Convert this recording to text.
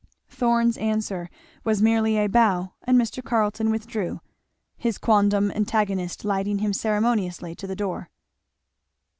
Thorn's answer was merely a bow, and Mr. Carleton withdrew, his quondam antagonist lighting him ceremoniously to the door.